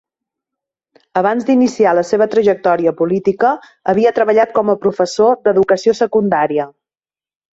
Abans d'iniciar la seva trajectòria política havia treballat com a professor d'educació secundària.